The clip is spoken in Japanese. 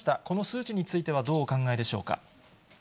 この数値についてはどうお考えでしょうか。